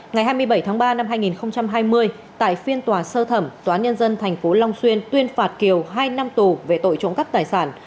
ngày hai mươi bảy tháng ba năm hai nghìn hai mươi tại phiên tòa sơ thẩm tòa án nhân dân tp long xuyên tuyên phạt kiều hai năm tù về tội trộm cắp tài sản